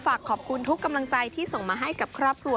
ฝากขอบคุณทุกกำลังใจที่ส่งมาให้กับครอบครัว